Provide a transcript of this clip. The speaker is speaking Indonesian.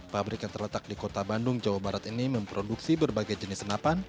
pabrik yang terletak di kota bandung jawa barat ini memproduksi berbagai jenis senapan